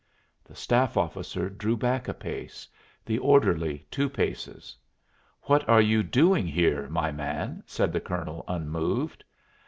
The staff officer drew back a pace, the orderly two paces. "What are you doing here, my man?" said the colonel, unmoved.